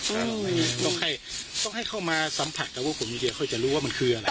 ต้องให้ต้องให้เข้ามาสัมผัสกับพวกผมเดี๋ยวเขาจะรู้ว่ามันคืออะไร